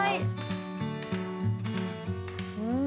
うん！